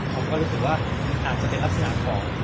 ผมก็รู้สึกว่าอาจจะเป็นลักษณะของ